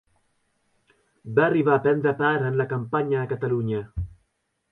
Va arribar a prendre part en la campanya de Catalunya.